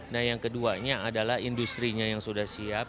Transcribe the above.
nah yang keduanya adalah industri nya yang sudah siap